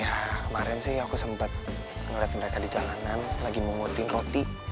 ya kemarin sih aku sempet ngeliat mereka di jalanan lagi memungutin roti